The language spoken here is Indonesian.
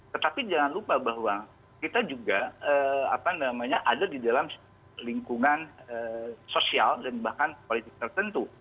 tetapi jangan lupa bahwa kita juga ada di dalam lingkungan sosial dan bahkan politik tertentu